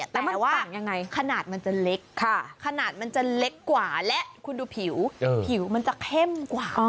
แต่ว่าขนาดมันจะเล็กขนาดมันจะเล็กกว่าและคุณดูผิวผิวมันจะเข้มกว่า